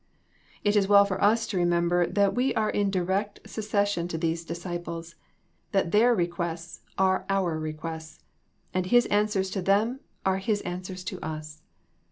It is well for us to remember that we are in di rect succession to these disciples, that their re quests are our requests, and His answers to them are His answers to us.